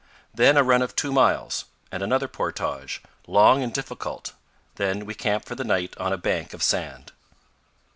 Then a run of two miles, and another portage, long and difficult; then we camp for the night on a bank of sand.